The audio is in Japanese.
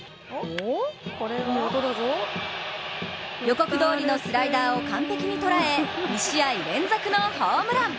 予告どおりのスライダーを完璧に捉え２試合連続のホームラン。